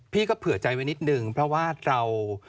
พี่ก็เผื่อใจไว้นิดนึงเพราะว่าเรา